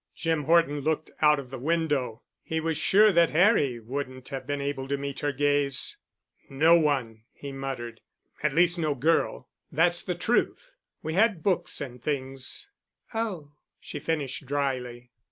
Jim Horton looked out of the window. He was sure that Harry wouldn't have been able to meet her gaze. "No one," he muttered, "at least no girl. That's the truth. We had books and things." "Oh," she finished dryly.